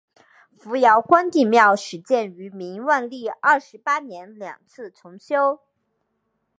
扶摇关帝庙始建于明万历二十八年两次重修。